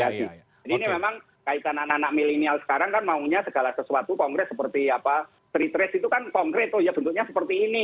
jadi ini memang kaitan anak anak milenial sekarang kan maunya segala sesuatu kongres seperti apa street race itu kan kongres tuh ya bentuknya seperti ini